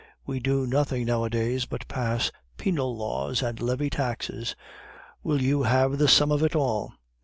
We do nothing nowadays but pass penal laws and levy taxes. Will you have the sum of it all!